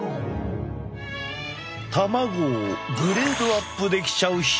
卵をグレードアップできちゃう秘密。